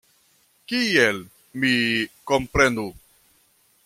Kiel mi komprenu?